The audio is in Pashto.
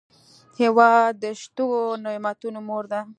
هېواد د شتو نعمتونو مور ده.